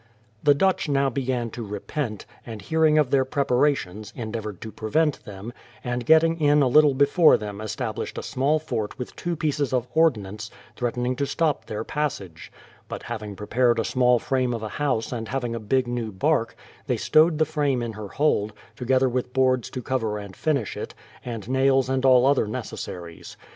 The Dutch now began to repent, and hearing of their preparations, endeavoured to prevent them, and getting in a little before them established a small fort with two pieces of ordnance, threatening to stop their passage. But hav ing prepared a small frame of a house and having a big new bark, they stowed the frame in her hold, together with boards to cover and finish it, and nails and all other neces THE PLYMOUTH SETTLEMENT 251 saries.